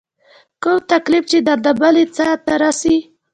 کوم تکليف چې درنه بل انسان ته رسي